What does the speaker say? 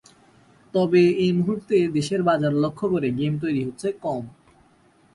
তবে এ মুহুর্তে দেশের বাজার লক্ষ্য করে গেম তৈরি হচ্ছে কম।